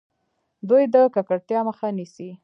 دوی د ککړتیا مخه نیسي.